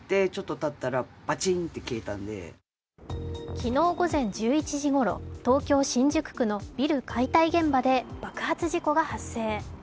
昨日午前１１時ごろ、東京・新宿区のビル解体現場で爆発事故が発生。